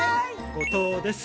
後藤です。